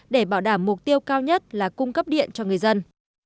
để bảo đảm mục tiêu cao nhất là cung cấp điện cho người dân